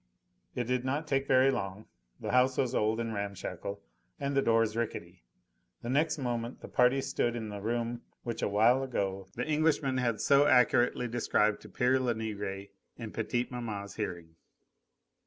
It did not take very long: the house was old and ramshackle and the doors rickety. The next moment the party stood in the room which a while ago the Englishman had so accurately described to pere Lenegre in petite maman's hearing.